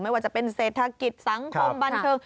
ว่าจะเป็นเศรษฐกิจสังคมบันเทิง